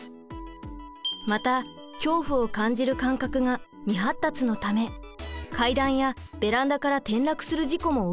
また恐怖を感じる感覚が未発達のため階段やベランダから転落する事故も起きやすいのです。